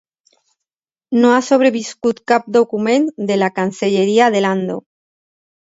No ha sobreviscut cap document de la cancelleria de Lando.